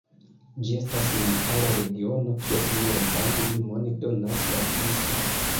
Ĝi estas montara regiono, kies nordan limon donas la Tiso.